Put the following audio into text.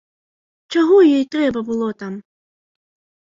Чаго ёй трэба было там?